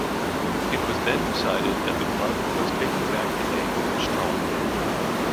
It was then decided that the club was taking back the name "Strong".